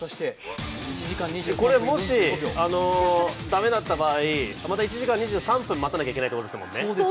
これ、もし駄目だった場合、また１時間２３分待たないといけないですね。